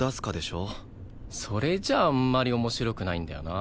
それじゃあんまり面白くないんだよな。